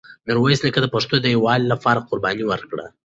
میرویس نیکه د پښتنو د یووالي لپاره قرباني ورکړه.